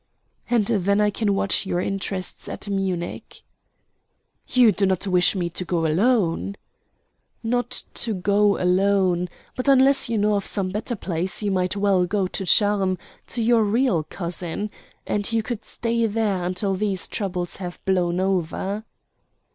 "And then I can watch your interests at Munich." "You do not wish me to go alone?" "Not to go alone. But unless you know of some better place you might well go to Charmes to your real cousin; and you could stay there until these troubles have blown over."